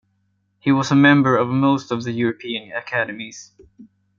He was a member of most of the European academies.